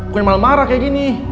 gue yang malah marah kayak gini